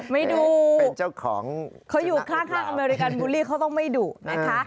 ไม่ดุเขาอยู่ข้างอเมริกันบูลลี่เขาต้องไม่ดุนะคะ